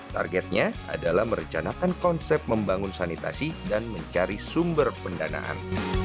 targetnya adalah merencanakan konsep membangun sanitasi dan mencari sumber pendanaan